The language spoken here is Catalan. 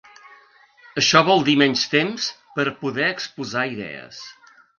Això vol dir menys temps per a poder exposar idees.